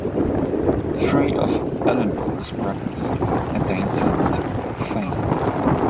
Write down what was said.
Three of Ellenborough's brothers attained some degree of fame.